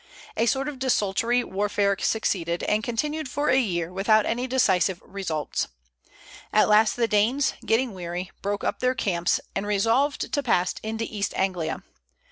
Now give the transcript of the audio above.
A sort of desultory warfare succeeded, and continued for a year without any decisive results. At last the Danes, getting weary, broke up their camps, and resolved to pass into East Anglia.